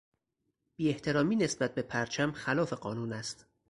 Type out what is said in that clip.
بیاحترامی نسبت به پرچم خلاف قانون است.